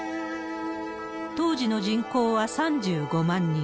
当時の人口は３５万人。